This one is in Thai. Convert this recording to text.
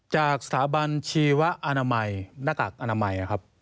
จากสถาบันชีวอนามัยหน้ากากอนามัยนะครับ